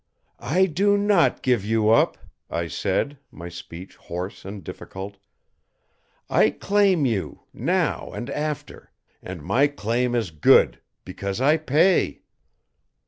"I do not give you up," I said, my speech hoarse and difficult. "I claim you, now, and after. And my claim is good, because I pay."